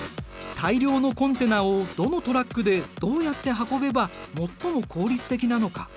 大量のコンテナをどのトラックでどうやって運べば最も効率的なのか？